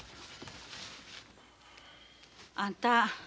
あんた